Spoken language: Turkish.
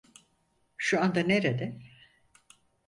Şu anda nerede?